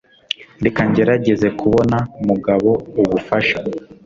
Reka ngerageze kubona mugabo ubufasha